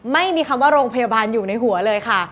ไม่มีคำว่าโรงพยาบาลอยู่ในหัวเลยค่ะ